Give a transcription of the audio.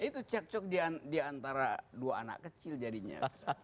itu cekcok di antara dua anak kecil jadinya